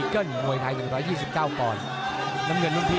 เป็นอาวุธที่ย่นเวลาได้